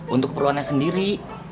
untuk keperluannya sendiri